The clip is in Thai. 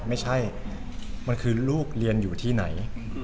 มันคือลูกเรียนอยู่ที่ไหน